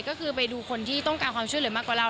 ก็คือไปดูคนที่ต้องการความช่วยเหลือมากกว่าเรา